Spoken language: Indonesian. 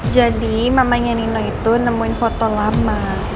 jadi mamanya nino itu nemuin foto lama